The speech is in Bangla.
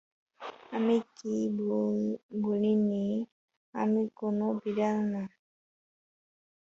আমি কি বলিনি আমি কোন বিড়াল না?